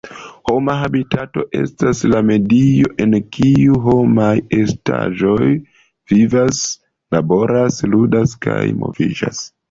Homa habitato estas la medio en kiu homaj estaĵoj vivas, laboras, ludas kaj moviĝas.